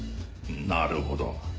なるほど。